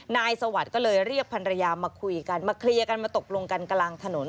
สวัสดิ์ก็เลยเรียกพันรยามาคุยกันมาเคลียร์กันมาตกลงกันกลางถนน